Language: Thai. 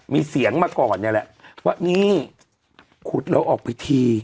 มีเสียงมาก่อนเนี้ยแหละว่านี่ขุดเราออกปฏิทีย์